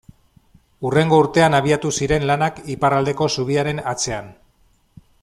Hurrengo urtean abiatu ziren lanak iparraldeko zubiaren atzean.